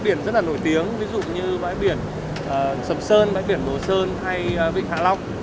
ở miền bắc ngoài những bãi biển rất là nổi tiếng ví dụ như bãi biển sầm sơn bãi biển đồ sơn hay vịnh hạ lọc